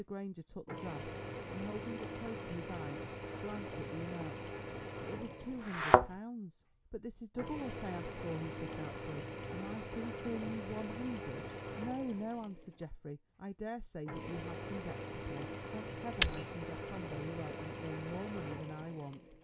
Granger took the draft, and, holding it close to his eyes, glanced at the amount; it was £200. "But this is double what I asked for," he said doubtfully. "Am I to return you £100?" "No, no," answered Geoffrey, "I daresay that you have some debts to pay. Thank Heaven, I can get on very well and earn more money than I want.